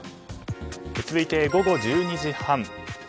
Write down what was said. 続いて午後１２時半。